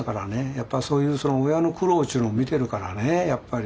やっぱそういう親の苦労っちゅうのを見てるからねやっぱり。